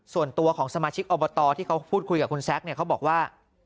ส่วนตัวของสมาชิกอบตที่เขาพูดคุยกับคุณแซคเนี่ยเขาบอกว่า